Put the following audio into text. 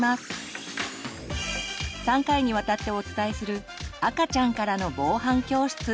３回にわたってお伝えする「赤ちゃんからの防犯教室」。